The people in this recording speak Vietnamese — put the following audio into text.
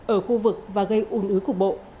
ở khu vực và gây ủn ứ của bộ